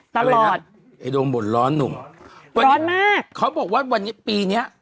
ตลอดไอ้โดงบ่นร้อนหนุ่มร้อนมากเขาบอกว่าวันปีเนี้ย